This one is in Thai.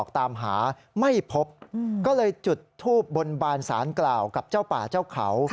ทูบบนบานสานกล่าวกับเจ้าป่าเจ้าเขา